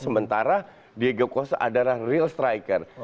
sementara diego cost adalah real striker